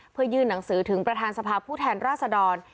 เพื่อยื่นหนังสือถึงประธานสภาพผู้แทนราษดร